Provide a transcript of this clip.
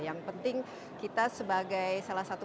yang penting kita sebagai salah satu